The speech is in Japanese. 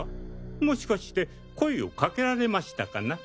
もしかして声をかけられましたかな？